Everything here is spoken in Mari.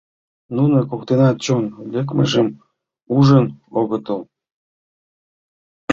Нуно коктынат чон лекмыжым ужын огытыл.